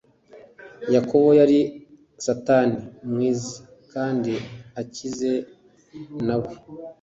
Yakobo yari satani mwiza kandi akize, nawe